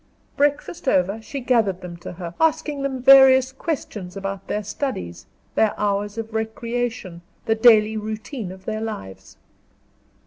Breakfast over, she gathered them to her, asking them various questions about their studies, their hours of recreation, the daily routine of their lives.